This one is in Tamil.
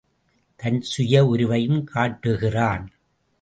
தன் சுய உருவையும் காட்டுகிறான்.